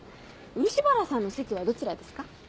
漆原さんの席はどちらですか？